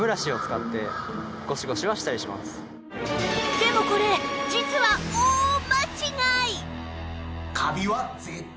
でもこれ実は大間違い！